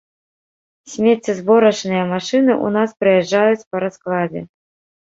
Смеццезборачныя машыны ў нас прыязджаюць па раскладзе.